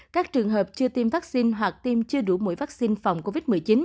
các trường hợp chưa tiêm vaccine hoặc tiêm chưa đủ mũi vaccine phòng covid một mươi chín